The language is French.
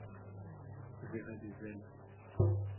Verrait des ailes.